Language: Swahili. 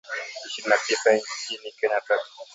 ishirini na tisa nchini Kenya tatu